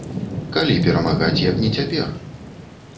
Калі перамагаць, як не цяпер?